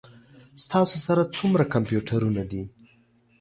ستاسو سره څومره کمپیوټرونه دي؟